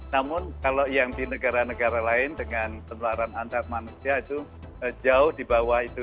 namun kalau yang di negara negara lain dengan penularan antar manusia itu jauh di bawah itu